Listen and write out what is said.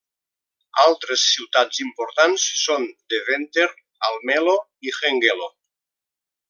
Altres ciutats importants són Deventer, Almelo i Hengelo.